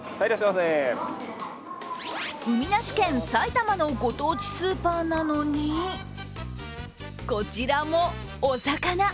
海なし県・埼玉のご当地スーパーなのに、こちらもお魚。